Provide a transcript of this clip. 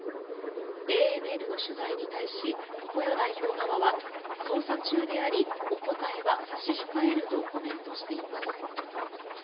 ＡＮＮの取材に対し常世代表側は捜査中でありお答えは差し控えるとコメントしています。